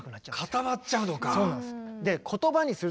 固まっちゃうのか。